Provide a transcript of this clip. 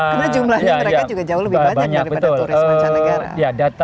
karena jumlahnya mereka juga jauh lebih banyak daripada turis mancanegara